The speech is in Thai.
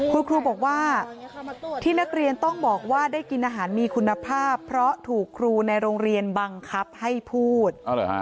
คุณครูบอกว่าที่นักเรียนต้องบอกว่าได้กินอาหารมีคุณภาพเพราะถูกครูในโรงเรียนบังคับให้พูด